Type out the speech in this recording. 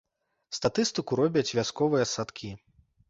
Статыстыку робяць вясковыя садкі.